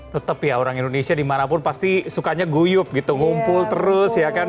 tetap ya orang indonesia dimanapun pasti sukanya guyup gitu ngumpul terus ya kan